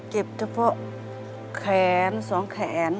เจ็บเฉพาะแขนสองแขน